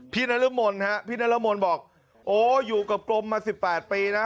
พี่นรมนศ์บอกอยู่กับกรมมา๑๘ปีนะ